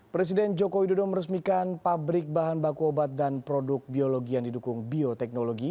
presiden joko widodo meresmikan pabrik bahan baku obat dan produk biologi yang didukung bioteknologi